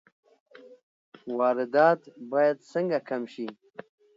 واردات باید څنګه کم شي؟